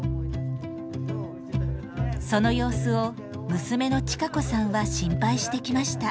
その様子を娘の千賀子さんは心配してきました。